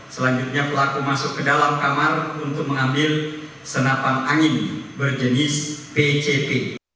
selanjutnya pelaku masuk ke dalam kamar untuk mengambil senapan angin berjenis pcp